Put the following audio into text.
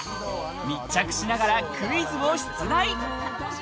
密着しながらクイズを出題！